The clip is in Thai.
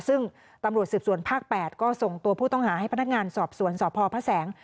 ซึ่งตำรวจสืบสวนภาค๘ก็ส่งตัวผู้ต้องหาให้พนักงานสอบสวนสพพระแสง